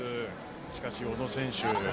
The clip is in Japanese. しかし、小野選手